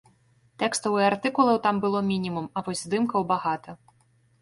Тэкстаў і артыкулаў там было мінімум, а вось здымкаў багата.